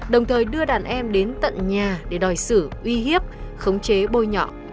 đồng thời đưa đàn em đến tận nhà để đòi sử uy hiếp khống chế bôi nhọ